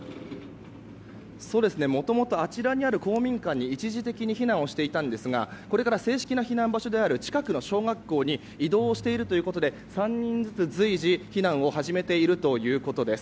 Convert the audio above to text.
もともとあちらにある公民館に一時的に避難していましたがこれから正式な避難場所の近くの小学校に移動していることで３人ずつ随時、避難を始めているということです。